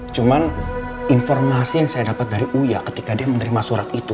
cuman informasi yang saya dapat dari uya ketika dia menerima surat itu